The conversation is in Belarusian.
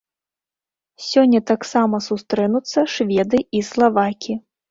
Сёння таксама сустрэнуцца шведы і славакі.